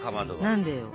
何でよ？